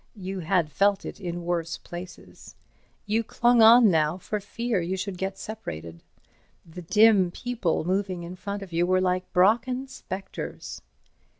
You had felt it in worse places. You clung on now for fear you should get separated. The dim people moving in front of you were like Brocken spectres.